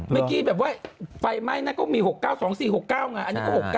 เมื่อกี้แบบว่าไฟไหม้นะก็มี๖๙๒๔๖๙ไงอันนี้ก็๖๙